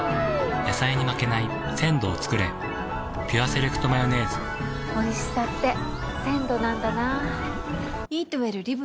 野菜に負けない鮮度をつくれ「ピュアセレクトマヨネーズ」おいしさって鮮度なんだな。